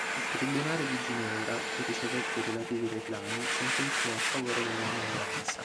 Il tribunale di Ginevra, che ricevette i relativi reclami, sentenziò a favore della minoranza.